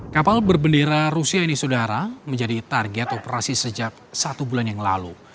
kapal berbendera rusia ini saudara menjadi target operasi sejak satu bulan yang lalu